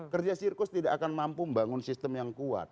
kerja sirkus tidak akan mampu membangun sistem yang kuat